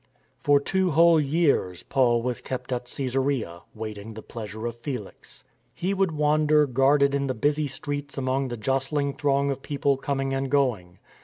For two whole years Paul was kept at Caesarea, waiting the pleasure of Felix. He would wander guarded in the busy streets among the jostling throng of people coming and going.